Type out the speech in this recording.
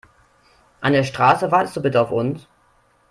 An der Straße wartest du bitte auf uns.